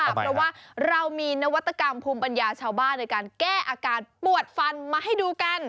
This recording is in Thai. เพราะว่าเรามีนวัตกรรมภูมิปัญญาชาวบ้านในการแก้อาการปวดฟันมาให้ดูกัน